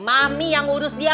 mami yang urus dia